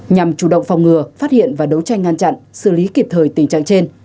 nhằm chủ động phòng ngừa phát hiện và đấu tranh ngăn chặn xử lý kịp thời tình trạng trên